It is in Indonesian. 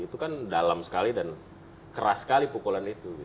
itu kan dalam sekali dan keras sekali pukulan itu